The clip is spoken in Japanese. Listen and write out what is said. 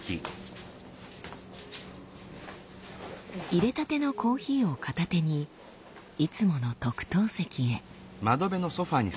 いれたてのコーヒーを片手にいつもの特等席へ。